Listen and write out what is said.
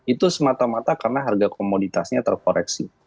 itu semata mata karena harga komoditasnya terkoreksi